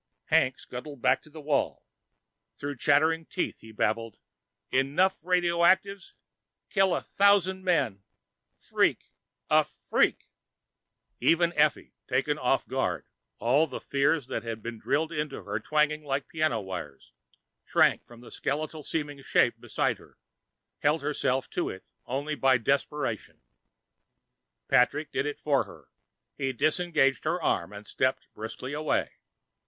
Hank scuttled back to the wall. Through chattering teeth he babbled, "... enough radioactives ... kill a thousand men ... freak ... a freak ..." In his agitation he forgot for a moment to inhale through the respirator. Even Effie taken off guard, all the fears that had been drilled into her twanging like piano wires shrank from the skeletal seeming shape beside her, held herself to it only by desperation. Patrick did it for her. He disengaged her arm and stepped briskly away.